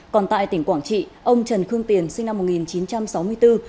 còn tại tỉnh quảng trị ông trần khương tiền sinh năm một nghìn chín trăm sáu mươi bốn